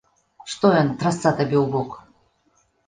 Што ён, трасца табе ў бок?